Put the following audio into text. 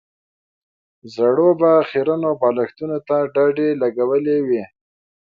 زړو به خيرنو بالښتونو ته ډډې لګولې وې.